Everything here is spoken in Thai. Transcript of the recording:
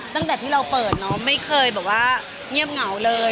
ตั้งแต่ที่เราเฝิดเนอะไม่เคยเงียบเหงาเลย